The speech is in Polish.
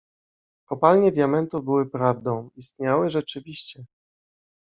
— Kopalnie diamentów były prawdą… istniały rzeczywiście!